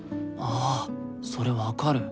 あそれ分かる。